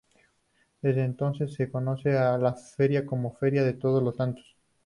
Desde entonces, se conoce a la feria como Feria de Todos los Santos.